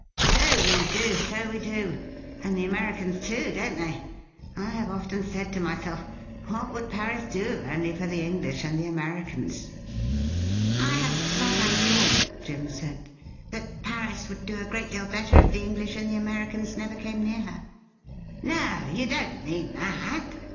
' So we do, so we do ; and the Americans, too, don't they? I have often said to myself, "What would Paris do, only for the English and the Americans .?"'' I have sometimes thought,' Jim said, ' that Paris would do a gi eat deal better if the English and the Americans never came near her.' ' No, you don't mean that